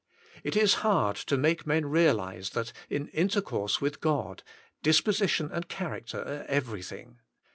It is hard to make men realise that, in intercourse with God, disposition and character are every thing.